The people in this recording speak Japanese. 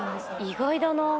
意外だな。